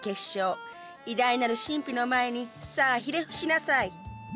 偉大なる神秘の前にさあひれ伏しなさい。